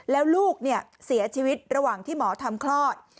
แล้วลูกเสียชีวิตระหว่างที่หมอทำคลอด